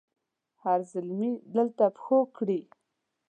هر زلمي دلته پښو کړي